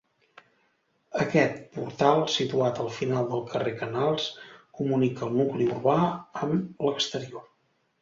Aquest portal, situat al final del carrer Canals, comunica el nucli urbà amb l'exterior.